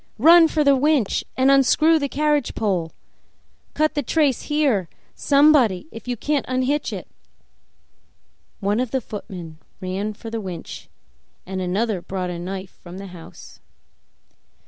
Run for the winch and unscrew the carriage pole! Cut the trace here, somebody, if you can't unhitch it!" One of the footmen ran for the winch, and another brought a knife from the house.